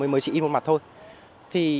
mới chỉ ít một mặt thôi